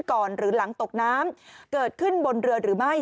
แผลเกิดขึ้นก่อนหรือหลังตกน้ำเกิดขึ้นบนเรือหรือไม่